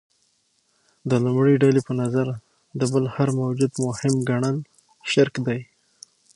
د لومړۍ ډلې په نظر د بل هر موجود مهم ګڼل شرک دی.